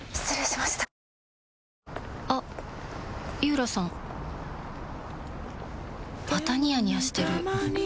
またニヤニヤしてるふふ。